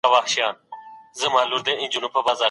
پاڼې خپله څانګه ډېره کلکه نیولې وه.